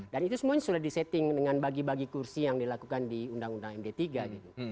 dan itu semuanya sudah disetting dengan bagi bagi kursi yang dilakukan di undang undang md tiga gitu